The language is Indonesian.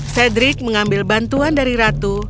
sedrik mengambil bantuan dari ratu